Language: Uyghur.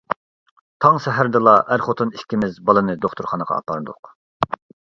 تاڭ سەھەردىلا ئەر-خوتۇن ئىككىمىز بالىنى دوختۇرخانىغا ئاپاردۇق.